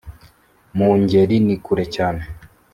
mu ngeri ni kure cyane